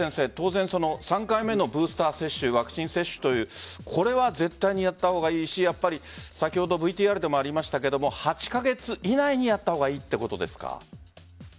当然、３回目のブースター接種ワクチン接種というこれは絶対にやったほうがいいし先ほどＶＴＲでもありましたが８カ月以内にやった方がいいということですか？